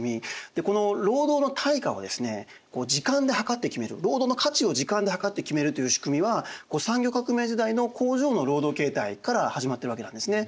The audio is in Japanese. でこの労働の対価をですね時間で計って決める労働の価値を時間で計って決めるという仕組みは産業革命時代の工場の労働形態から始まってるわけなんですね。